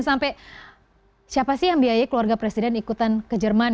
sampai siapa sih yang biayai keluarga presiden ikutan ke jerman